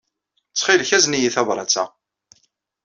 Ttxil-k, azen-iyi tabṛat-a.